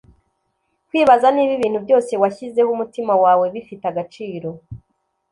kwibaza niba ibintu byose washyizeho umutima wawe bifite agaciro